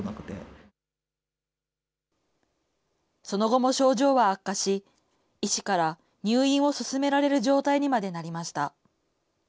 その後も症状は悪化し、医師から入院を勧められる状態にまでなりました。